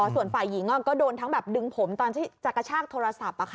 ส่วนฝ่ายหญิงก็โดนทั้งแบบดึงผมตอนที่จะกระชากโทรศัพท์